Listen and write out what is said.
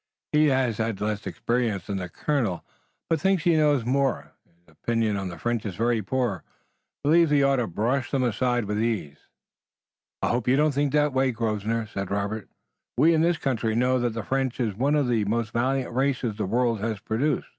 He has had less experience than the colonel, but thinks he knows more. His opinion of the French is very poor. Believes we ought to brush 'em aside with ease." "I hope you don't think that way, Grosvenor," said Robert. "We in this country know that the French is one of the most valiant races the world has produced."